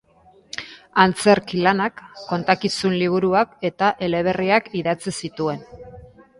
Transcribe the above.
Antzerki-lanak, kontakizun-liburuak eta eleberriak idatzi zituen.